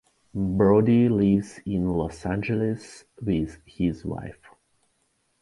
Brody lives in Los Angeles with his wife.